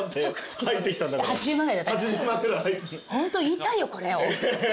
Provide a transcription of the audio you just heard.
ホント言いたいよこれを。